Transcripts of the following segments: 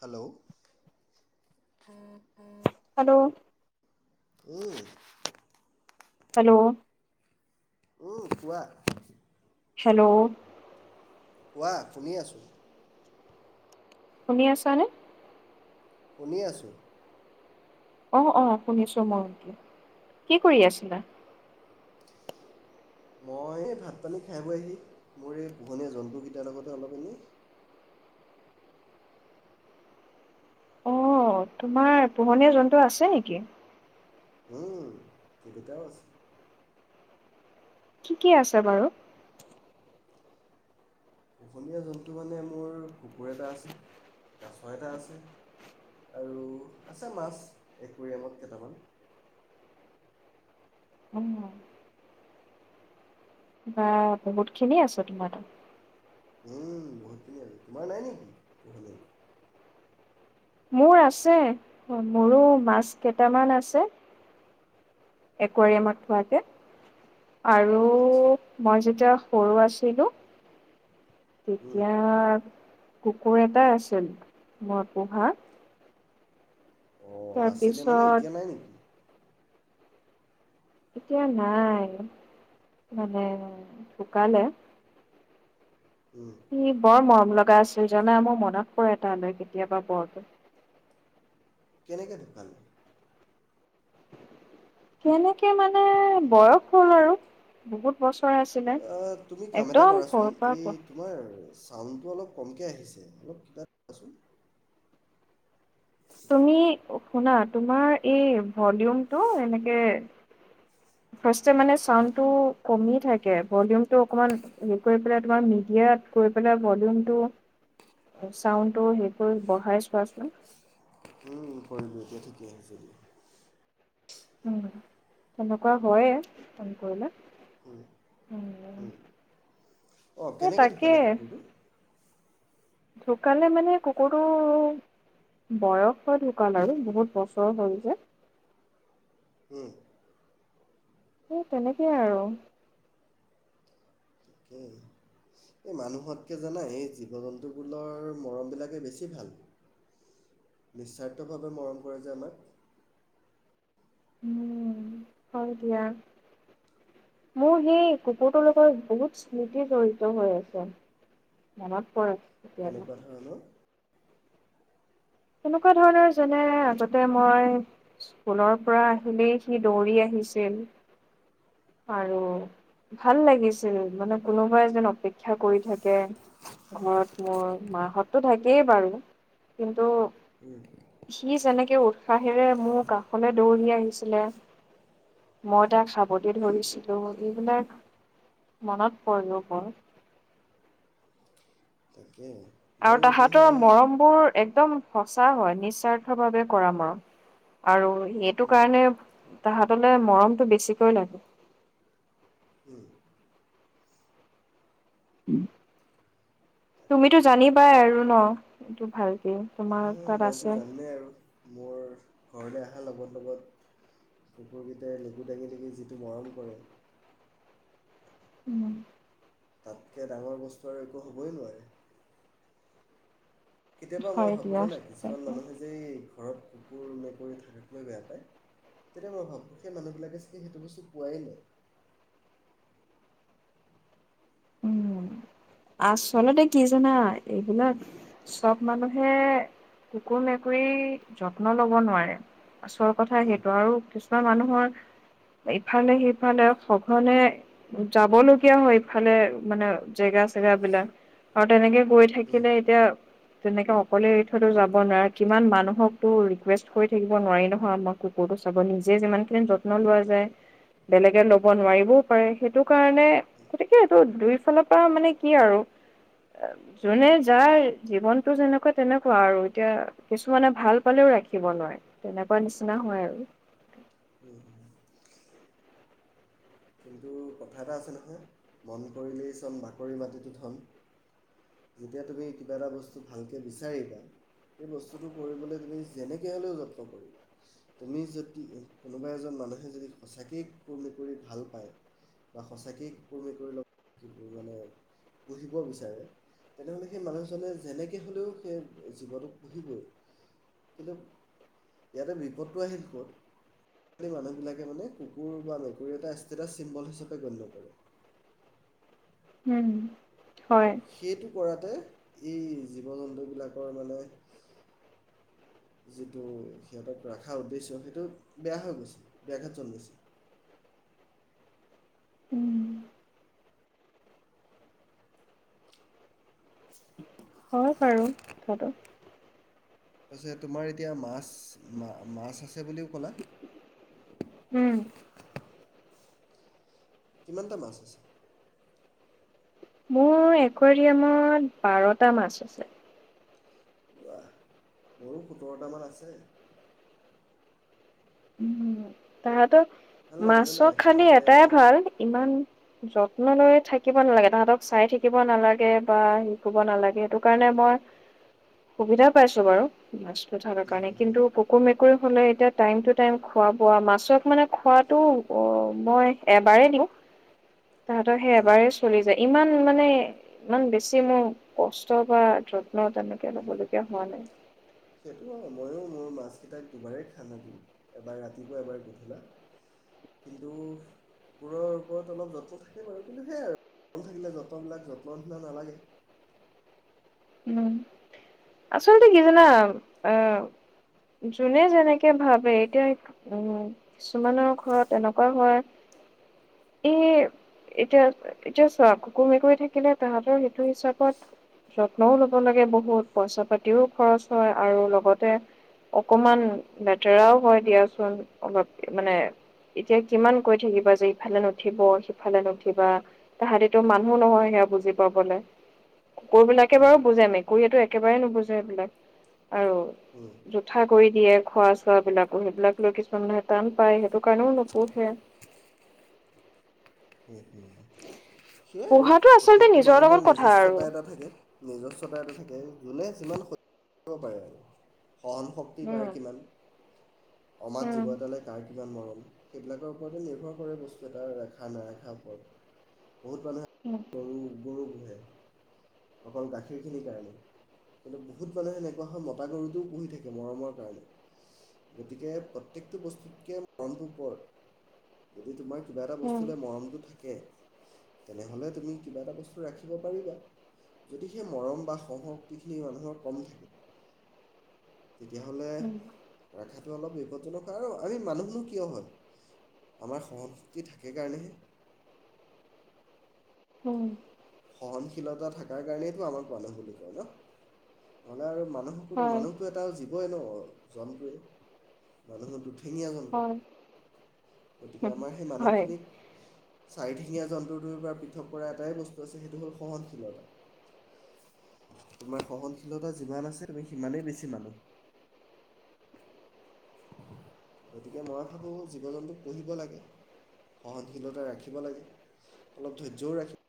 Hello. Hello উম। Hello. উম কোৱা। হেল্ল'। কোৱা? শুনি আছোঁ। শুনি আছানে? শুনি আছোঁ। অহ, অহ শুনিছো মই, কি কৰি আছিলা? মই ভাত পানী খাই বৈ আহি, মোৰ এই পোহনীয়া জন্তুকেইটাৰ লগতে অলপ এনেই অ' তোমাৰ পোহনীয়া জন্তু আছে নেকি? উম কেইবাটাও আছে। কি কি আছে বাৰু। পোহনীয়া জন্তু মানে মোৰ কুকুৰ এটা আছে কাছ এটা আছে আৰু আছে মাছ একুৰিয়ামত কেইটামান। অ বা বহুত খিনিয় আছো তোমাৰ তাত। উম বহুতখিনি আৰু তোমাৰ নাই নেকি পহ মোৰ আছে মোৰো মাছ কেইটামান আছে। একুৱাৰিয়ামত থোৱা যে আচ্ছা আৰু মই যেতিয়া। সৰু আছিলো। উম, তেতিয়া। কুকুৰ এটাই আছিল মই পোহা। অঁ আছিলে মানে তাৰপিছত এতিয়া নাই নেকি এতিয়া নাই মানে ঢুকালে। উম, সি বৰ মৰম লগা। গা চ জনে মোৰ মনত পৰে তালৈ কেতিয়াবা বৰকৈ কেনেকে ঢুকালে। কেনেকে মানে বয়স হ'ল আৰু বহুত বছৰ। আছিলে অ তুমি কাম এটা একদম কৰাচোন সৰুৰ পৰা এই পোৱা তোমাৰ। চাউণ্ডটো অলপ কমকে আহিছে অলপ কিবা কোৱাচোন। তুমি শুনা তোমাৰ এই ভলিউমটো এনেকে ফাৰ্ষ্টে মানে চাউণ্ডটো কমি থাকে ভলিউমটো অকণমান হেৰি কৰি পেলাই তোমাৰ মিডিয়াত গৈ পেলাই ভলিউমটো চাউণ্ডটো হেৰি কৰি বঢ়াই চোৱাচোন। উম কৰিলোঁ এতিয়া ঠিকে আহিছে দিয়া। উ তেনেকুৱা হয়ে ফোন কৰিলে। উম অ সেই কেনেকৈ তাকে ঢুকালে কুকুৰটো। ঢুকালে মানে কুকুৰটো বয়স হৈ ঢুকাল আৰু বহুত বছৰ হল যে। উম। এ তেনেকে আৰু। তাকেই এই মানুহতকে জানাই এই জীৱ জন্তুবোৰৰ মৰমবিলাকে বেছি ভাল নিস্বাৰ্থভাৱে মৰম কৰে যে আমাক। উম হয় দিয়া মোৰ সেই কুকুৰটোৰ লগত বহুত স্মৃতি জড়িত হৈ আছে। মনত পৰে কেতিয়াবা কেনেকুৱা ধৰণৰ। তেনেকুৱা ধৰণৰ যেনে আগতে মই স্কুলৰ পৰা আহিলেই সি দৌৰি আহিছিল আৰু ভাল লাগিছিল মানে কোনোবাই যেন অপেক্ষা কৰি থাকে ঘৰত মোৰ মাহঁত তো থাকেই বাৰু কিন্তু- সি যেনেকে উৎসাহেৰে মোৰ কাষলৈ দৌৰি আহিছিলে মই তাক সাবতি ধৰিছিলো এইবিলাক মনত পৰে‌ অ বৰ। তাকে আৰু ময়ো এতিয়া তাহাঁতৰ সেই মৰম বোৰ। একদম সচা হয় নিস্বাৰ্থ ভাৱে কৰা মৰম আৰু এইটো উম, কাৰণে তাহতলে মৰমটো বেছিকৈ লাগে। উম। উম। তাকে তুমিতো জানিবাই আৰু ন। এইটো ভালকে। তোমাৰ হা তাত মইতো আছে। জানোৱেই আৰু মোৰ ঘৰলৈ অহাৰ লগত লগত কুকুৰকেইটাই নেগু দাঙি দঙি যিটো মৰম কৰে। উম। তাতকে ডাঙৰ বস্তু আৰু একো হ'বই নোৱাৰে। কেতিয়াবা মই হয় ভাবো দিয়া জানা কিছুমান তাকে মানুহে যে ঘৰত কুকুৰ মেকুৰী থাকিলেও বেয়া পায় তেতিয়া মই অ ভাবোঁ সেই মানুহবিলাকে চাগে সেইটো বস্তু পোৱাই নাই। উম আচলতে কি জানা এইবিলাক চব মানুহে কুকুৰ মেকুৰী যত্ন লব নোৱাৰে আচল কথা হুম সেইটো আৰু কিছুমান মানুহৰ ইফালে সিফালে সঘনে যাব লগীয়া হয়। ফালে মানে জেগা চেগা বিলাক আৰু তেনেকে গৈ হুম থাকিলে এতিয়া তেনেকে অকলে‌ এৰি থৈতো যাব নোৱাৰে কিমান মানুহকো ৰিকুৱেষ্ট কৰি থাকিব নোৱাৰি নহয় আমাৰ কুকুৰ'তো চাব নিজে যিমানখিনি যত্ন লোৱা যায় বেলেগে ল'ব নোৱাৰিবও পাৰে সেইটো কাৰণে গতিকে এইটো দুই ফালৰ পৰা মানে কি আৰু জোনে যাৰ জীৱনটো যেনেকুৱা তেনেকুৱা আৰু এতিয়া কিছুমানে ভাল পালেও ৰাখিব নোৱাৰে তেনেকুৱা নিচিনা হয় আৰু উম কিন্তু কথা এটা আছে নহয় মন কৰিলেই চন বাকৰি মাটিটেই ধণ যেতিয়া তুমি কিবা এটা বস্তু ভালকে বিচাৰিবা সেই বস্তুটো কৰিবলৈ তুমি যেনেকৈ হ'লেও যত্ন কৰিবা তুমি যদি কোনোবা এজন মানুহে যদি সঁচাকৈ কুকুৰ মেকুৰী ভাল পায় বা সঁচাকেই কুকুৰ মেকুৰী লয় পুহিব বিচাৰে তেনেহ'লে সেই মানুহজনে যেনেকৈ হ'লেও সেই জীৱটোক পুহিবই কিন্তু ইয়াতে বিপদটো আহিল ক'ত সেইমানুহবিলাকে মানে কুকুৰ বা মেকুৰী এটা এটা চিম্বল হিচাপে গণ্য কৰে হম আৰু সেইটো কৰাত ততে এই জীৱ জন্তুবিলাকৰ মানে যিটো সিহঁতক ৰখাৰ উদ্দেশ্য সেইটো বেয়া হৈ গৈছে ব্যঘাত জন্মিছে উম হয় বাৰু কথাটো তাৰপিছত তোমাৰ এতিয়া মাছ মাছ আছে বুলিও ক'লা উম কিমানটা মাছ আছে মোৰ একুৱাৰিয়ামত বাৰটা মাছ আছে বাহ মোৰো সোতৰটামান আছে তাহাঁতক ভাল লাগে জানা মাছৰ খালি সিহঁতে এটাই ভাল ইমান যত্ন লৈ থাকিব নালাগে। তাহঁতক চাই থাকিব নালাগে বা সেই কৰিব নালাগে। সেইটো কাৰণে মই সুবিধা পাইছোঁ বাৰু, মাছ হুম, কাৰণে। হুম, হুম, কিন্তু কুকুৰ-মেকুৰী হ'লে, এতিয়া টাইম টু টাইম খোৱা মাছক, মানে, খোৱাটো, অ', মই এবাৰেই দিওঁ। তাহঁতৰ, সেই হুম। এবাৰেই চলি যায়। ইমান, মানে, ইমান বেছি মোৰ কষ্ট বা যত্ন তেনেকৈ ল'বলগীয়া হোৱা নাই। সেইটো হয়। ময়ো মোৰ মাছকেইটাক দুবাৰেই খানা দিওঁ। এবাৰ ৰাতিপুৱা, এবাৰ গধূলা। কিন্তু কুকুৰৰ ওপৰত অলপ যত্ন থাকে বাৰু। কিন্তু সেয়াই, আৰু যত্ন থাকিলে, যত্নবিলাক যত্ন নিচিনা নালাগে। উম, আচলতে কি জানা? আ, যোনে যেনেকে ভাবে এতিয়া। উম, কিছুমানৰ ঘৰত এনেকুৱা হয়। এই, এতিয়া, এতিয়া চোৱা, কুকুৰ-মেকুৰী থাকিলে, তাহঁতৰ সেইটো হিচাপত যত যত্নও ল'ব লাগে। বহুত পইচা-পাতিও খৰচ হয়। আৰু লগতে অকণমান লেতেৰাও হয়। দিয়াচোন, অলপ, মানে, এতিয়া কিমান কৈ থাকিবা যে ইফালে নুঠিব, সিফালে নুঠিবা। তাহঁতিতো মানুহ নহয়, সেয়া বুজি পাবলৈ কুকুৰবিলাক বিলাকে হুম, বাৰু বুজে। মেকুৰীয়েটো একেবাৰে নুবুজে। এইবিলাক, আৰু হুম, জোঠা কৰি দিয়ে। খোৱা-চোৱাবিলাকো, সেইবিলাক লৈ কিছুমান মানুহে টান পায়। সেইটো কাৰণেও নোপোহে। হুম। সেয়াই, আৰু, পোহাটো আচলতে প্ৰত্যেকটো নিজৰ লগত মানুহৰ কথা আৰু নিজস্বতা এটা থাকে। নিজস্বতা এটা থাকে। যোনে যিমান সহিব পাৰে, আৰু সহনশক্তি উম কাৰ কিমান অমাত উম জীৱ এটালৈ কাৰ কিমান মৰম সেইবিলাকৰ ওপৰততো নিৰ্ভৰ কৰে। বস্তু এটা ৰাখা-নাৰাখাৰ ওপৰত বহুত মানুহে গৰু [unintelligible] গৰু পোহে অকল গাখীৰখিনিৰ কাৰণে। কিন্তু বহুত মানুহ এনেকুৱা হয়। মতা গৰুটোও পুহি থাকে মৰমৰ কাৰণে। গতিকে, প্ৰত্যেকটো বস্তুতকে মৰমটো ওপৰত, যদি তোমাৰ কিবা এটা উম বস্তুলে মৰমটো থাকে তেনেহ'লে, তুমি কিবা এটা বস্তু ৰাখিব পাৰিবা। যদি সেই মৰম বা সহনশক্তিখিনি মানুহৰ কম থাকে তেতিয়াহ'লে উম ৰাখাত অলপ বিপদজনক হয়। আৰু আমি মানুহ নো কিয় হয়? আমাৰ সহনশক্তি থাকে কাৰণেহে উম। সহনশীলতা থাকাৰ কাৰণেটো আমাক মানুহ বুলি কয় ন। নহ'লে, আৰু মা মানুহটো, হয় মানুহটো এটা জীৱই ন জন্তুটোৱেই মানুহ হ'ল দুঠেঙীয়া জন্তু। হয় গতিকে, আমাৰ সেই হয়। মানুহখিনিক চাৰিঠেঙীয়া জন্তুটোৰ পৰা [unintelligible] এটাই বস্তু সেইটো হ'ল সহনশীলতা। তোমাৰ সহনশীলতা যিমান আছে, তুমি সিমানেই বেছি মানুহ। গতিকে, মই ভাবোঁ, জীৱ-জন্তু পুহিব লাগে। সহনশীলতা ৰাখিব লাগে। অলপ ধৈৰ্যও ৰাখিব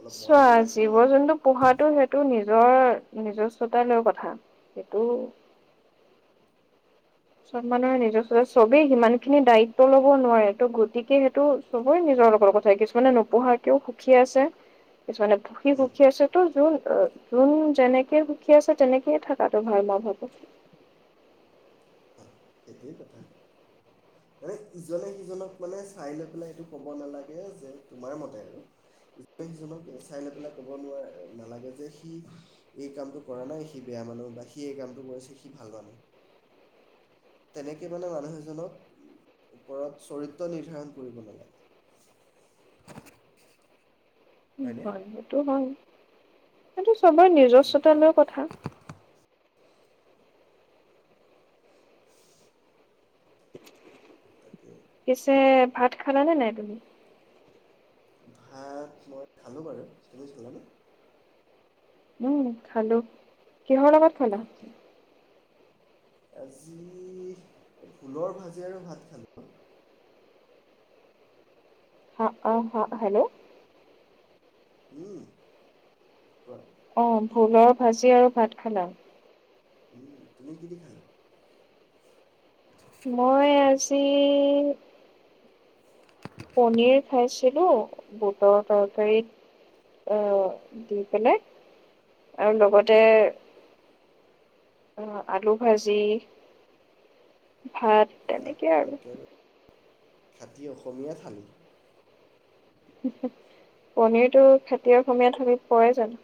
অলপ চোৱা, মৰমো ৰাখিব লাগে জীৱ-জন্তু পোহাতটো, সেইটো নিজ নিজৰ নিজস্বতা লৈ কথা। সেইটো চব মানুহৰ নিজস্বতা। চবেই সিমানখিনি দায়িত্ব ল'ব নোৱাৰে। ত', গতিকে, সেইটো চবৰে নিজৰ লগত কথা। কিছুমানে নোপুহাকৈও সুখী আছে কিছুমানে পুহি সুখী আছে ত' ত', আ, ত'। যেনেকৈ সুখী আছে, তেনেকেই থাকাটো ভাল, মই ভাবোঁ। নে ইজনে সিজনক মানে চাই লৈ পেলাই এইটো কব নালাগে যে তোমাৰ মতে আৰু ইজনে সিজনক চাই লৈ পেলাই কব নোৱাৰে নালাগে যে সি এই কামটো কৰা নাই সি বেয়া মানুহ বা সি এই কামটো কৰিছে সি ভাল মানুহ। তেনেকে মানে মানুহ এজনক ওপৰত চৰিত্ৰ নিৰ্ধাৰণ কৰিব নালাগে। হয়নে হয় সেতু হয়। [unintelligible] চবৰে নিজস্বতালৈ কথা। তাকে পিছে ভাত খালানে নাই তুমি? ভাত মই খালোঁ বাৰু তুমি খালানে? উম খালো, কিহৰ লগত খালা? আজি ভোলৰ ভাজি আৰু ভাত খালো। [unintelligible] হ হেল্ল! উম, কোৱা। অ ভোলৰ ভাজি আৰু ভাত খালা। উম তুমি কিদি খালা? মই আজি পনিৰ খাইছিলো বুটৰ তৰকাৰীত অ' দি পেলাই, আৰু লগতে উম, অ আলু ভাজি, ভাত তেনেকেই আৰু। একেবাৰে খাটি অসমীয়া থালি। পনীৰটো খাটি অসমীয়া থালিত পৰেই জানো?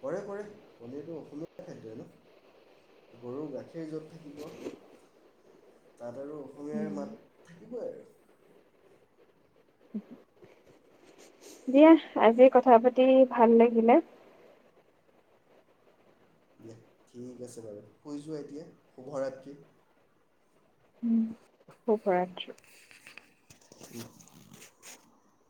পৰে পৰে। পনীৰটো অসমীয়া খাদ্যই ন? গৰুৰ গাখীৰ যত থাকিব তাত আৰু অসমীয়াৰ উম। মাত থাকিবই আৰু। দিয়া, আজি কথা পাতি ভাল লাগিলে, দিয়া ঠিক আছে বাৰু। শুই যোৱা এতিয়া শুভৰাত্ৰি। উম। শুভৰাত্ৰি। [inaudible]